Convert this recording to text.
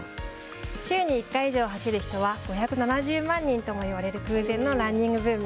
週に１回以上走る人は５７０万人とも言われる空前のランニングブーム。